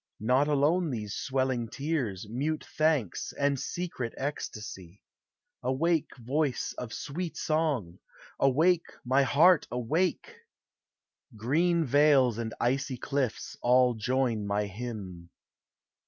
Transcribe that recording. not alone these swelling tears, Mute thanks, and secret ecstasy! Awake, Voice of sweet song! Awake, my heart, awake! Green vales and icy cliffs, all join my hymn.